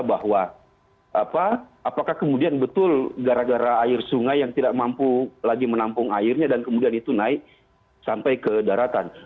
bahwa apakah kemudian betul gara gara air sungai yang tidak mampu lagi menampung airnya dan kemudian itu naik sampai ke daratan